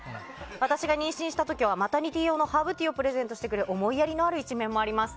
私が妊娠した時はマタニティー用のハーブティーをプレゼントしてくれ思いやりのある一面もあります。